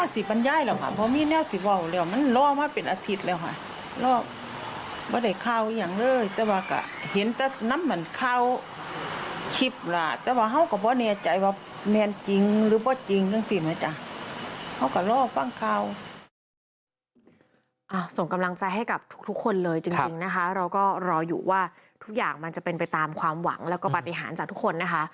ส่งกำลังใจให้กับทุกคนเลยจริงนะคะเราก็รออยู่ว่าทุกอย่างมันจะเป็นไปตามความหวังแล้วก็ปฏิหารจากทุกคนนะคะ